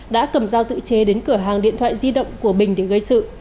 đã cầm dao tự chế đến cửa hàng điện thoại di động của bình để gây sự